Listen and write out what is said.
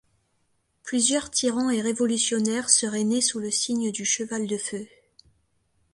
Plusieurs tyrans et révolutionnaires seraient nés sous le signe du cheval de feu.